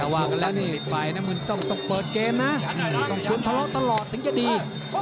มาติดไปนะต้องเปิดเกมน่ะถูกชวนทะเลาะตลอดถึงจะดี